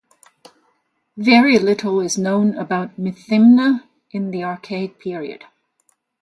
Very little is known about Methymna in the Archaic period.